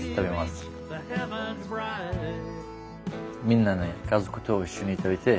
みんなね家族と一緒に食べて。